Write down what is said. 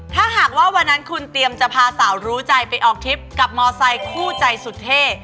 ถ้าหากว่าวันนั้นคุณเตรียมจะพาสาวรู้ใจไปออกทริปกับมอไซค์คู่ใจสุดเท่